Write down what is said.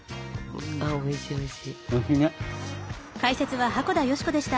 おいしいおいしい。